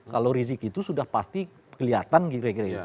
kalau rizik itu sudah pasti kelihatan kira kira ya